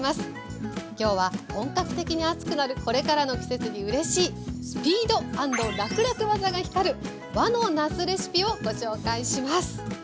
今日は本格的に暑くなるこれからの季節にうれしいスピード＆らくらく技が光る和のなすレシピをご紹介します。